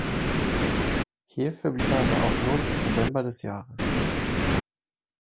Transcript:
Hier verblieb er aber auch nur bis November des Jahres.